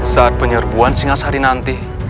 saat penyerbuan singa sari nanti